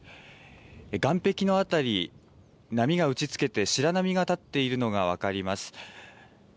岸壁の辺り、波が打ちつけて、白波が立っているのが分かります。